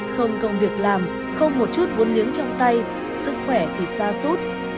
không công việc làm không một chút vốn liếng trong tay sức khỏe thì xa suốt